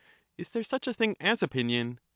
Is there such a thing as opinion ?